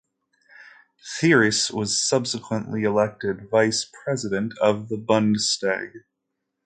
Thierse was subsequently elected vice president of the "Bundestag".